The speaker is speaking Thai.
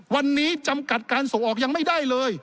วันนี้จำกัดการส่งออกยังไม่ได้เลย